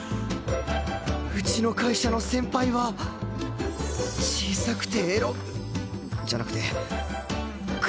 うちの会社の先輩は小さくてエロじゃなくてかわいい